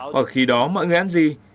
hoặc khi đó mọi người ăn gì